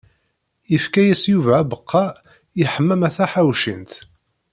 Yefka-yas Yuba abeqqa i Ḥemmama Taḥawcint.